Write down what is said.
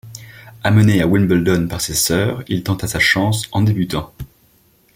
Amené à Wimbledon par ses sœurs, il tenta sa chance, en débutant.